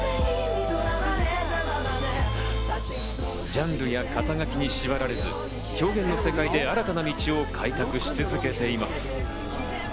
ジャンルや肩書に縛られず、表現の世界で新たな道を開拓し続けています。